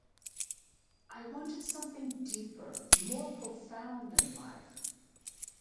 I wanted something deeper, more profound in life.